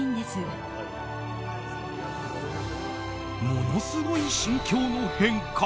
ものすごい心境の変化。